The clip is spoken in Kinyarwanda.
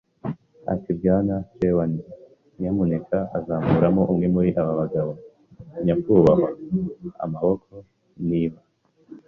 Ati: “Bwana Trelawney, nyamuneka uzankuramo umwe muri aba bagabo, nyakubahwa? Amaboko, niba